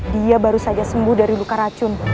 dia baru saja sembuh dari luka racun